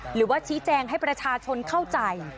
หรือว่าชี้แจงให้ประชาชนเข้าใจ